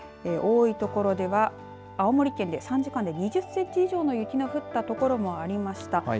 多い所では青森県で３時間で２０センチ以上の雪の降った所もありました。